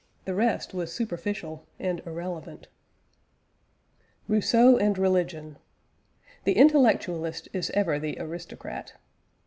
The rest was superficial and irrelevant. ROUSSEAU AND RELIGION. The intellectualist is ever the aristocrat.